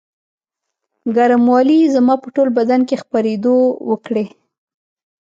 ګرموالي یې زما په ټول بدن کې خپرېدو وکړې.